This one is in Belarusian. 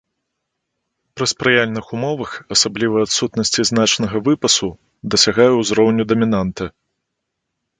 Пры спрыяльных умовах, асабліва адсутнасці значнага выпасу, дасягае ўзроўню дамінанта.